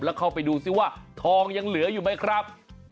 แล้วเข้าไปดูซิว่าทองยังเหลืออยู่ไหมครับ